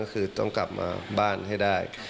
ก็คือต้องกลับมาบ้านให้ได้